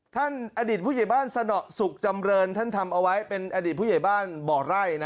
อดีตผู้ใหญ่บ้านสนสุขจำเรินท่านทำเอาไว้เป็นอดีตผู้ใหญ่บ้านบ่อไร่